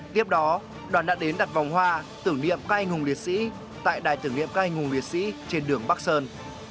tiếp đó đoàn đã đến đặt vòng hoa tưởng niệm các anh hùng liệt sĩ tại đài tưởng niệm các anh hùng liệt sĩ trên đường bắc sơn